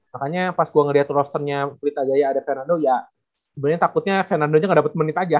makanya pas gue liat rosternya ya ada fernando ya sebenernya takutnya fernando ga dapet menit aja